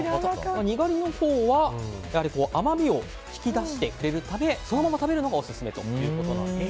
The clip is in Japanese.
にがりのほうは甘みを引き出してくれるためそのまま食べるのがオススメということです。